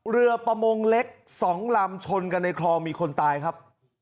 เรือประมงเล็ก๒ลำชนกันในคลองมีคนตายครับ